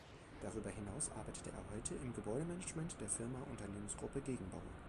Darüber hinaus arbeitet er heute im Gebäudemanagement der Firma Unternehmensgruppe Gegenbauer.